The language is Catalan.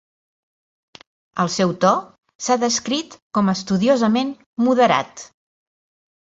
El seu to s'ha descrit com a estudiosament moderat.